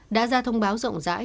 đã ra thông báo rộng rãi